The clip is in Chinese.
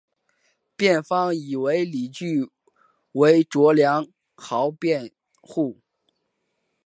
辩方以为理据为卓良豪辩护。